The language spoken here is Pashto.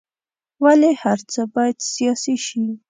ولې هر څه باید سیاسي شي.